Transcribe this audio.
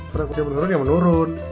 perakutnya menurun ya menurun